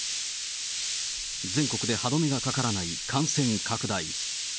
全国で歯止めがかからない感染拡大。